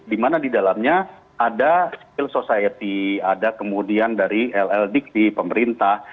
karena di dalamnya ada skill society ada kemudian dari lld di pemerintah